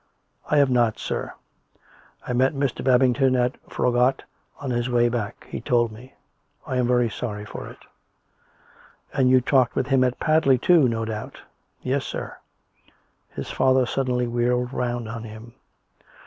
I have not, sir. I met Mr. Babington at Froggatt on his way back. He told me. I am very sorry for it." " And you talked with him at Padley, too, no doubt? "" Yes, sir." His father suddenly wheeled round on him.